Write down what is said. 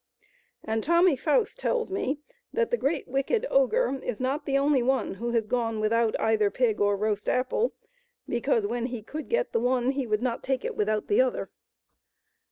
And Tommy Pfouce tells me that the great, wicked ogre is not the only one who has gone without either pig or roast apple, because when he could get the one he would not take it without the other.